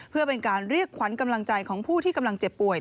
เพื่อเป็นการเรียกขวัญกำลังใจของผู้ที่กำลังเจ็บป่วย